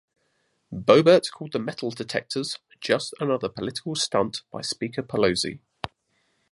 Boebert called the metal detectors "just another political stunt by Speaker Pelosi".